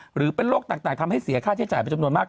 หรือเป็นโรคต่างทำให้เสียค่าใช้จ่ายไปจำนวนมาก